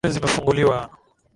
Shule zimefunguliwa.